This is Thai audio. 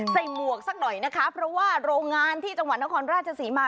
หมวกสักหน่อยนะคะเพราะว่าโรงงานที่จังหวัดนครราชศรีมา